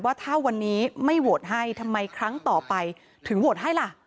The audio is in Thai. ว่าถ้าวันนี้ไม่โหวตให้ทำไมครั้งต่อไปถึงโหวตให้ล่ะ